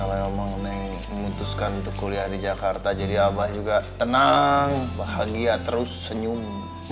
kalau memang memutuskan untuk kuliah di jakarta jadi abah juga tenang bahagia terus senyum